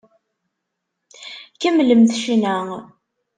Kemmlemt ccna!